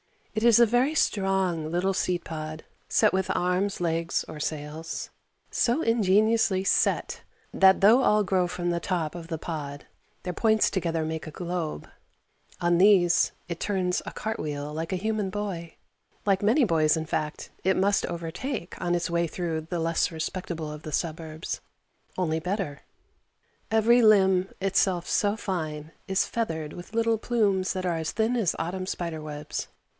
It is a very strong little seed pod, set with arms, legs, or sails so ingeniously set that though all grow from the top of the pod their points together make a globe; on these it turns a 'cart wheel' like a human boy like many boys, in fact, it must overtake on its way through the less respectable of the suburbs only better. Every limb, itself so fine, is feathered with little plumes that are as thin as autumn spider webs.